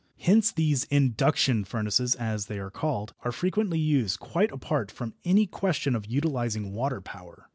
Hence these "induction furnaces," as they are called, are frequently used quite apart from any question of utilising water power.